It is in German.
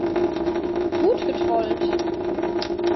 Gut getrollt.